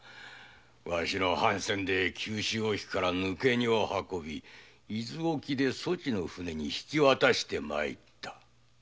わしの藩船で九州沖から抜け荷を運び伊豆沖でそちの船に引き渡して参った。